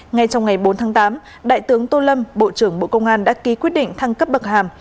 ngay trong ngày bốn tháng tám đại tướng tô lâm bộ trưởng bộ công an đã ký quyết định thăng cấp bậc hàm